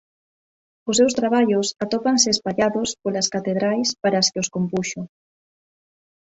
Os seus traballos atópanse espallados polas catedrais para as que os compuxo.